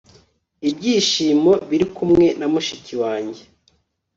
ibyishimo biri kumwe na mushiki wanjye